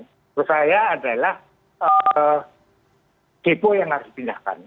menurut saya adalah depo yang harus dipindahkan